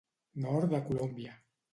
Nord de Colòmbia.